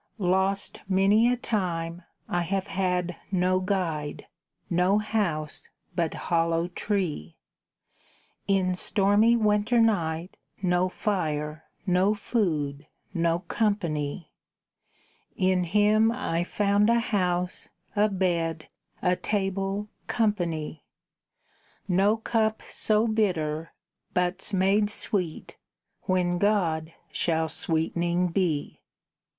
Lost many a time, I have had no guide, No house, but hollow tree! In stormy winter night no fire, No food, no company: In him I found a house, a bed, A table, company: No cup so bitter, but's made sweet, When God shall sweetning be.